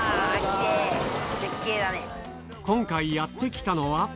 今回やって来たのは？